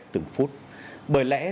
từng phút bởi lẽ